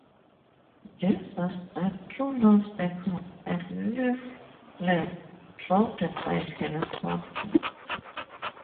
This was done through loudspeakers and leaflets dropped by helicopter.